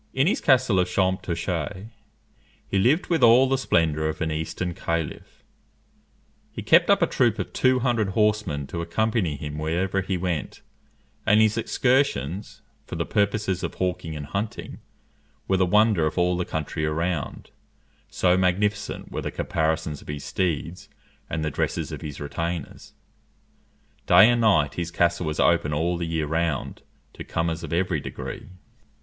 In his castle of Champtocé he lived with all the splendour of an eastern caliph. He kept up a troop of two hundred horsemen to accompany him wherever he went; and his excursions for the purposes of hawking and hunting were the wonder of all the country around, so magnificent were the caparisons of his steeds and the dresses of his retainers. Day and night his castle was open all the year round to comers of every degree.